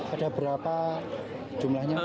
ada berapa jumlahnya